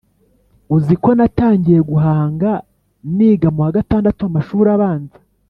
uzi ko natangiye guhanga niga mu wa gatandatu w’amashuri abanza!